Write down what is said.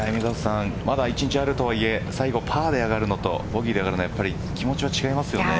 まだ一日あるとはいえ最後、パーで上がるのとボギーで上がるのは気持ちが違いますよね。